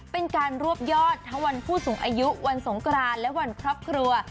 เป็นการรวบยอดทั้งวันผู้สูงอายุวันสงกรานและวันครอบครัว